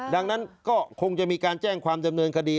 ดังนั้นก็คงจะมีการแจ้งความดำเนินคดี